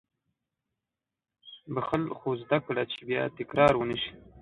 • بښل، خو زده کړه چې بیا تکرار ونه شي.